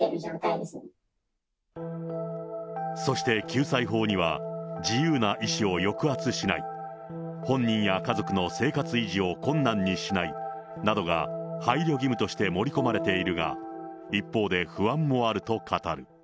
そして救済法には、自由な意思を抑圧しない、本人や家族の生活維持を困難にしないなどが配慮義務として盛り込まれているが、一方で不安もあると語る。